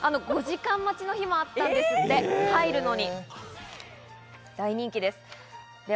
５時間待ちの日もあったんですって、入るのに。